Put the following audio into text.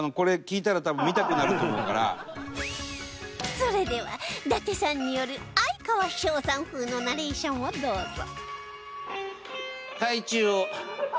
それでは伊達さんによる哀川翔さん風のナレーションをどうぞ